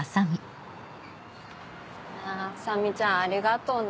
麻美ちゃんありがとね。